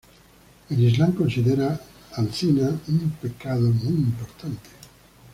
El islam considera al zina un pecado muy importante.